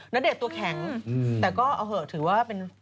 ณเดชน์ตัวแข็งแต่ก็เอาเหอะถือว่าเป็น